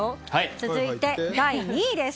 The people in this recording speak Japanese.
続いて第２位です。